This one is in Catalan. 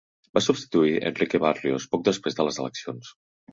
Va substituir Enrique Barrios poc després de les eleccions.